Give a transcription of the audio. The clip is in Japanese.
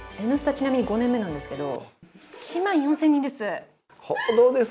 ちなみに５年目なんですけど、１万４０００人です。